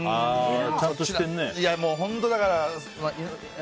ちゃんとしてるね。